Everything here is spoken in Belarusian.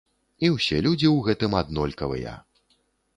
І ўсе людзі ў гэтым аднолькавыя.